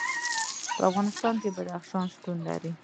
په افغانستان کې بدخشان شتون لري.